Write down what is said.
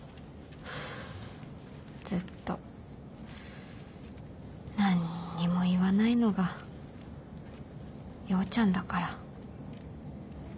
ずっと何にも言わないのが陽ちゃんだから。